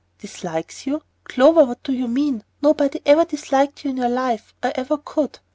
"Dislikes you! Clover, what do you mean? Nobody ever disliked you in your life, or ever could."